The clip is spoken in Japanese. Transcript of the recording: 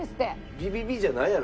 ビビビじゃないやろ。